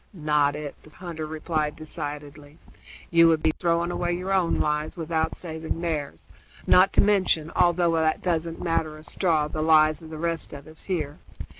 "Not it," the hunter replied decidedly. "You would be throwing away your own lives without saving theirs, not to mention, although that doesn't matter a straw, the lives of the rest of us here.